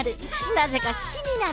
なぜか好きになる！